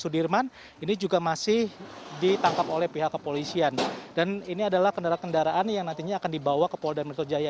dan ini adalah kendaraan kendaraan yang nantinya akan dibawa ke pol dan meritul jaya